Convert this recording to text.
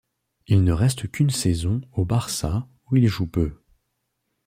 Il ne reste qu'une saison au Barça où il joue peu.